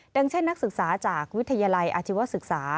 เช่นนักศึกษาจากวิทยาลัยอาชีวศึกษา